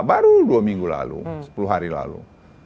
baru dua minggu lalu sepuluh hari lalu